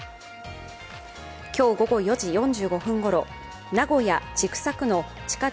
今日午後４時４５分ごろ名古屋千種区の地下鉄